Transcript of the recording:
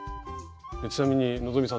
ちなみに希さん